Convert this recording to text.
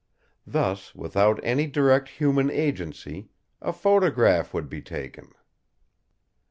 Thus, without any direct human agency, a photograph would be taken.